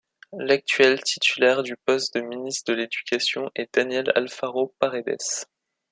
L'actuel titulaire du poste de ministre de l'Éducation est Daniel Alfaro Paredes.